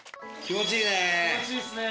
気持ちいいですね。